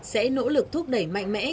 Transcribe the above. sẽ nỗ lực thúc đẩy mạnh mẽ